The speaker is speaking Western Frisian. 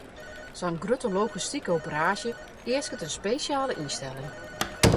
Sa'n grutte logistike operaasje easket in spesjale ynstelling.